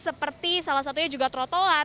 seperti salah satunya juga trotoar